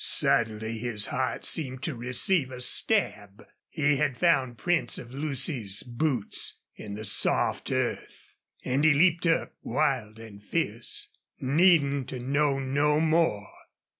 Suddenly his heart seemed to receive a stab. He had found prints of Lucy's boots in the soft earth! And he leaped up, wild and fierce, needing to know no more.